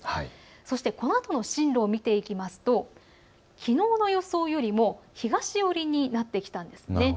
そしてこのあとの進路を見ていきますときのうの予想よりも東寄りになってきたんですね。